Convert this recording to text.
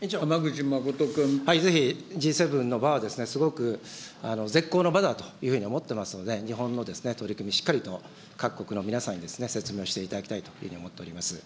ぜひＧ７の場は、すごく、絶好の場だというふうに思っていますので、日本の取り組み、しっかりと各国の皆さんに説明をしていただきたいというふうに思っております。